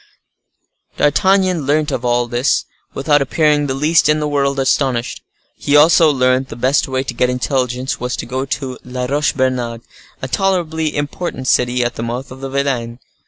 D'Artagnan learnt all this without appearing the least in the world astonished. He also learnt the best way to get intelligence was to go to La Roche Bernard, a tolerably important city at the mouth of the Vilaine.